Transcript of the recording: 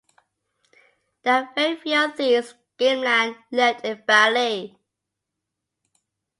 There are very few of these gamelan left in Bali.